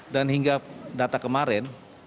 dan hingga data kemarin